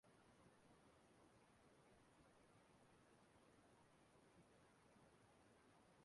Ọ bụrụ na nke nwaanyị ekweta